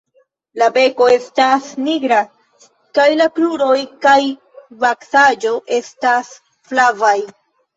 La beko estas nigra kaj la kruroj kaj vaksaĵo estas flavaj.